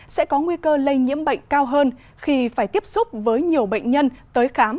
sẽ có nguy cơ lây nhiễm bệnh cao hơn khi phải tiếp xúc với nhiều bệnh nhân tới khám